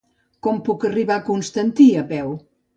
Com puc arribar a Constantí a peu?